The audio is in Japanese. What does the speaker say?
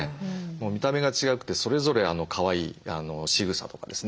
もう見た目が違くてそれぞれかわいいしぐさとかですね